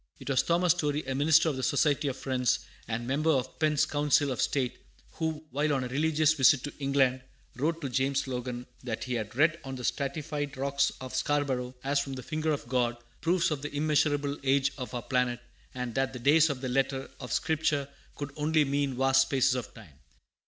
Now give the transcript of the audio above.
It was Thomas Story, a minister of the Society of Friends, and member of Penn's Council of State, who, while on a religious visit to England, wrote to James Logan that he had read on the stratified rocks of Scarborough, as from the finger of God, proofs of the immeasurable age of our planet, and that the "days" of the letter of Scripture could only mean vast spaces of time.